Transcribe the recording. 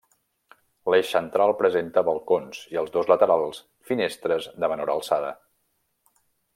L'eix central presenta balcons i els dos laterals finestres de menor alçada.